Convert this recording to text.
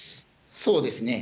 そうですね。